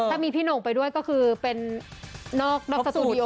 ถ้ามีพี่หน่งไปด้วยก็คือเป็นนอกสตูดิโอ